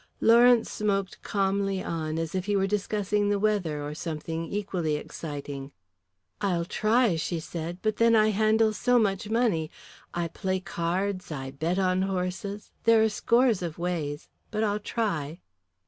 Lawrence smoked calmly on, as if he were discussing the weather or something equally exciting. "I'll try," she said, "but then I handle so much money. I play cards, I bet on horses. There are scores of ways. But I'll try."